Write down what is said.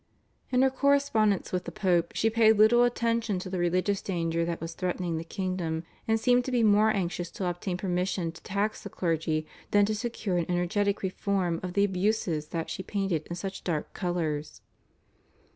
In her correspondence with the Pope she paid little attention to the religious danger that was threatening the kingdom, and seemed to be more anxious to obtain permission to tax the clergy than to secure an energetic reform of the abuses that she painted in such dark colours.